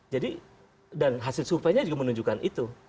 jadi dan hasil surveinya juga menunjukkan itu